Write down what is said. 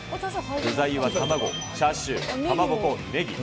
具材は卵、チャーシュー、かまぼこ、ネギ。